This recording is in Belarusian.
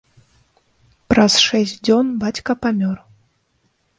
Праз шэсць дзён бацька памёр.